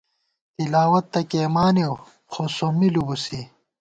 تِلاوَت تہ کېئیمانېؤ ، خو سومّی لُوبُوسی